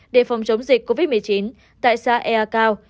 để phòng chống dịch covid một mươi chín tại xã ea cao